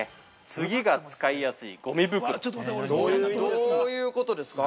次が使いやすいごみ袋ですね。